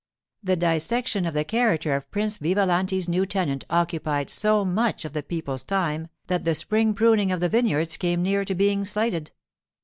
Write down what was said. The dissection of the character of Prince Vivalanti's new tenant occupied so much of the people's time that the spring pruning of the vineyards came near to being slighted.